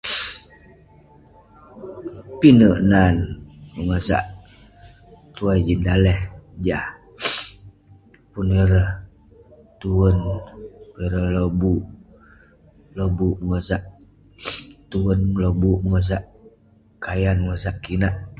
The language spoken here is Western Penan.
pinek nan bengesak tuai jin daleh jah pun ireh tuen, pun ireh lobuk, lobuk bengesak tuen, lobuk bengesak kayan, bengesak kinak.